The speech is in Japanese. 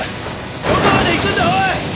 どこまで行くんだおい！